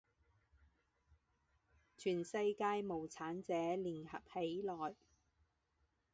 全世界无产者，联合起来！